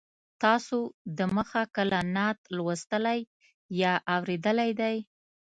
تاسو د مخه کله نعت لوستلی یا اورېدلی دی.